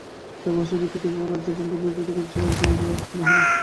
তবে ভাষার ভিত্তিতে এভাবে রাজ্য ভাঙার বিরোধিতা করেছিলেন জওহর লাল নেহরু।